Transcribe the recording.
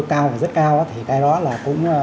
cao và rất cao thì cái đó là cũng